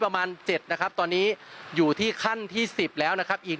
ประมาณ๗นะครับตอนนี้อยู่ที่ขั้นที่๑๐แล้วนะครับอีก